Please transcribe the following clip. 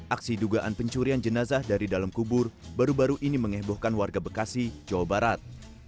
aksi dugaan pencurian jenazah dari dalam kubur baru baru ini mengebohkan warga bekasi jawa barat